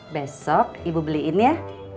besok ibu beliin ya